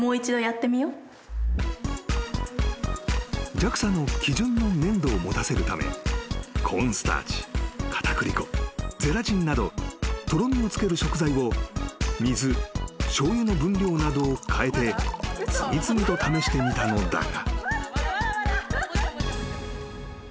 ［ＪＡＸＡの基準の粘度を持たせるためコーンスターチ片栗粉ゼラチンなどとろみをつける食材を水しょうゆの分量などを変えて次々と試してみたのだが］